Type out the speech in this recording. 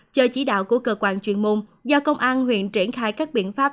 chờ chỉ đạo của cơ quan chuyên môn do công an huyện triển khai các biện pháp